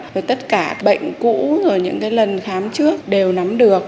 rồi tất cả bệnh cũ rồi những cái lần khám trước đều nắm được